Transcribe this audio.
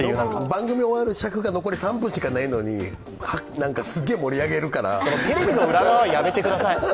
番組終わる尺が残り３分しかないのに、すっげー盛り上げるからテレビの裏側、やめてください。